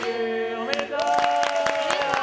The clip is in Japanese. おめでとう！